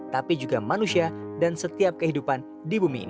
tapi juga manusia dan setiap kehidupan yang mereka miliki